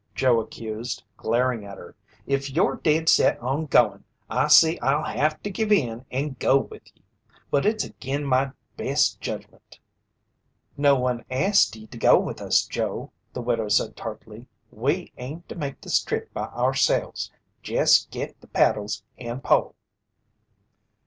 Joe accused, glaring at her. "If you're dead set on goin', I see I'll have to give in and go with ye. But it's agin my best judgment." "No one asked ye to go with us, Joe," the widow said tartly. "We aim to make this trip by ourselves. Jest git the paddles and pole."